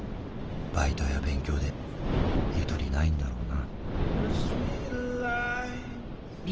バイトや勉強でゆとりないんだろうな。